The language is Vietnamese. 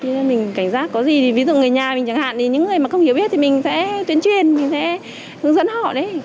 như mình cảnh giác có gì thì ví dụ người nhà mình chẳng hạn thì những người mà không hiểu biết thì mình sẽ tuyên truyền mình sẽ hướng dẫn họ đấy